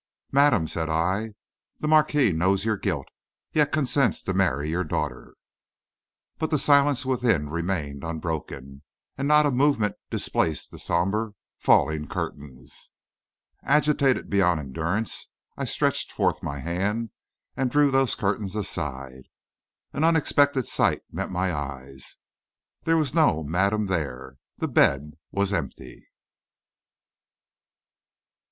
"Madame," said I, "the marquis knows your guilt, yet consents to marry your daughter." But the silence within remained unbroken, and not a movement displaced the somber falling curtains. Agitated beyond endurance, I stretched forth my hands and drew those curtains aside. An unexpected sight met my eyes. There was no madame there; the bed was empty.